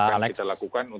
terima kasih pak alex